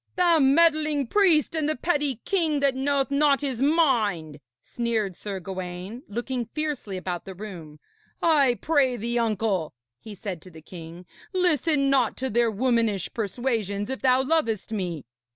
'The meddling priest and the petty king that knoweth not his mind!' sneered Sir Gawaine, looking fiercely about the room. 'I pray thee, uncle,' he said to the king, 'listen not to their womanish persuasions, if thou lovest me.'